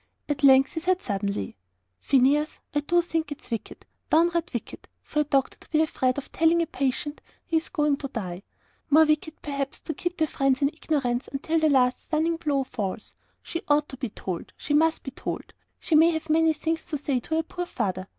At length he said, suddenly: "Phineas, I do think it is wicked, downright wicked, for a doctor to be afraid of telling a patient he is going to die more wicked, perhaps, to keep the friends in ignorance until the last stunning blow falls. She ought to be told: she must be told: she may have many things to say to her poor father.